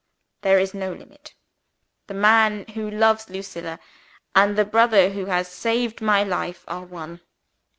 There is no limit. The man who loves Lucilla and the brother who has saved my life are one.